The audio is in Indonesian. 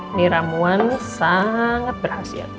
ini ramuan sangat berhasil